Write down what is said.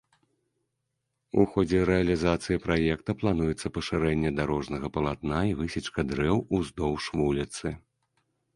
У ходзе рэалізацыі праекта плануецца пашырэнне дарожнага палатна і высечка дрэў ўздоўж вуліцы.